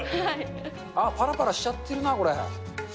あっ、ぱらぱらしちゃってるな、これ。